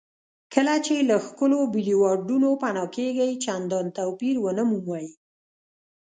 کله چې له ښکلو بولیوارډونو پناه کېږئ چندان توپیر ونه مومئ.